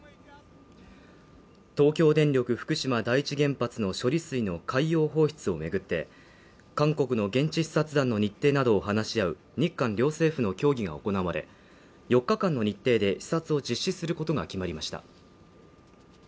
東京電力福島第１原発の処理水の海洋放出を巡って韓国の現地視察団の日程などを話し合う日韓両政府の協議が行われ、４日間の日程で視察を実施することが決まりました。